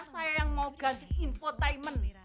saya yang mau ganti infotainment